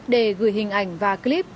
để gửi hình ảnh và clip